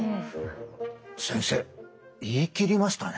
先生言い切りましたね。